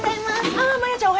ああマヤちゃん